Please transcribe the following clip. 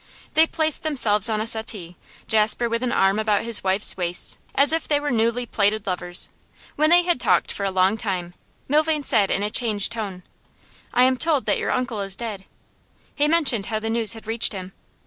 They placed themselves on a settee, Jasper with an arm about his wife's waist, as if they were newly plighted lovers. When they had talked for a long time, Milvain said in a changed tone: 'I am told that your uncle is dead.' He mentioned how the news had reached him.